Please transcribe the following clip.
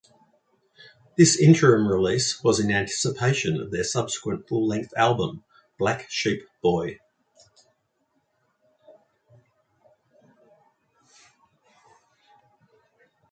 This interim release was in anticipation of their subsequent full-length album, "Black Sheep Boy".